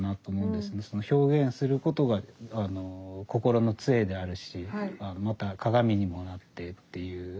表現することが心の杖であるしまた鏡にもなってっていう。